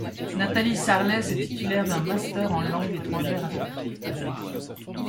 Nathalie Sarles est titulaire d'un master en langues étrangères appliquées.